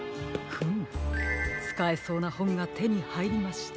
フムつかえそうなほんがてにはいりました。